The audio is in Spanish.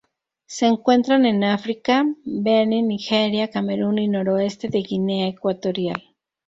Se encuentran en África: Benín, Nigeria, Camerún y noroeste de Guinea Ecuatorial.